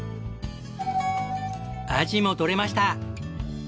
アジもとれました。